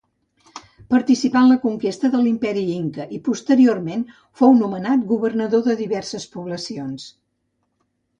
Participà en la conquesta de l'Imperi inca i posteriorment fou nomenat governador de diverses poblacions.